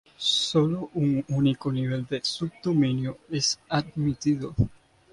Sólo un único nivel de subdominio es admitido.